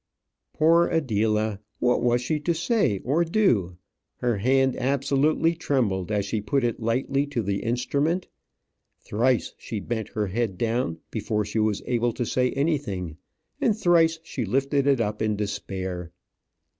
Poor Adela! what was she to say or do. Her hand absolutely trembled as she put it lightly to the instrument. Thrice she bent her head down before she was able to say anything, and thrice she lifted it up in despair.